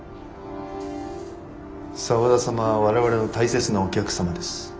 沢田様は我々の大切なお客様です。